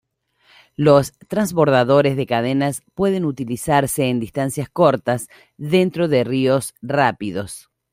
Los transbordadores de cadenas pueden utilizarse en distancias cortas dentro de ríos rápidos.